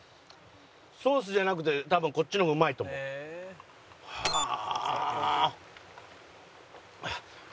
ソースじゃなくて多分こっちの方がうまいと思う。はあ！